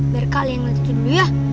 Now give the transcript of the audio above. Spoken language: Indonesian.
biar kalian ngecekin dulu ya